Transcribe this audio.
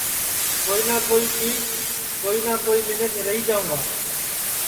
کوئی نہ کوئی چیج کوئی نہ کوئی منکھ رہی جاؤں گا